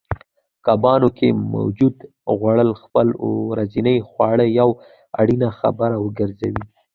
کبانو کې موجود غوړ خپل ورځنۍ خواړه یوه اړینه برخه وګرځوئ